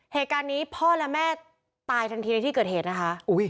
เหตุการณ์นี้พ่อและแม่ตายทันทีในที่เกิดเหตุนะคะ